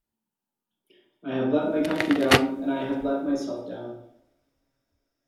I have let my country down and I have let myself down.